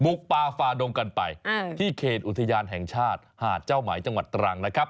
ปลาฟาดงกันไปที่เขตอุทยานแห่งชาติหาดเจ้าไหมจังหวัดตรังนะครับ